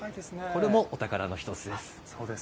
これもお宝の１つです。